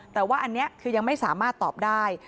แต่ว่าอันนี้คือยังไม่สามารถตอบได้